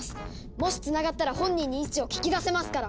もしつながったら本人に位置を聞き出せますから。